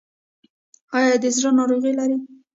ایا د زړه ناروغي لرئ؟